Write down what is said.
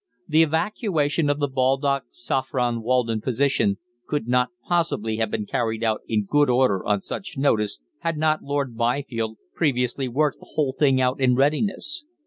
The evacuation of the Baldock Saffron Walden position could not possibly have been carried out in good order on such short notice, had not Lord Byfield previously worked the whole thing out in readiness.